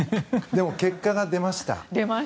でも、結果が出ました。